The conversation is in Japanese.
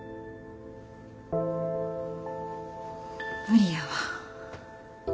無理やわ。